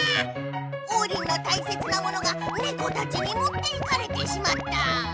オウリンのたいせつなものがネコたちにもっていかれてしまった！